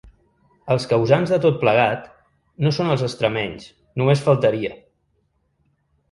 Els causants de tot plegat no són els extremenys, només faltaria!